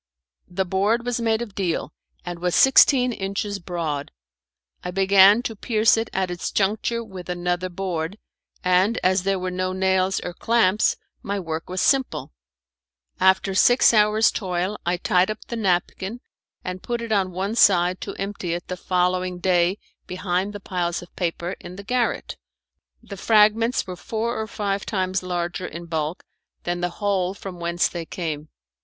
The board was made of deal, and was sixteen inches broad. I began to pierce it at its juncture with another board, and as there were no nails or clamps my work was simple. After six hours' toil I tied up the napkin, and put it on one side to empty it the following day behind the pile of papers in the garret. The fragments were four or five times larger in bulk than the hole from whence they came.